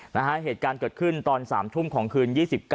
เหตุการณ์เกิดขึ้นตอน๓ทุ่มของคืน๒๙